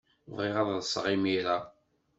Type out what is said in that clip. Bɣiɣ ad ḍḍseɣ imir-a.